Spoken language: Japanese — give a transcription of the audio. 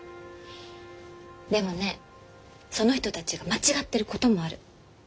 でもねその人たちが間違ってることもある。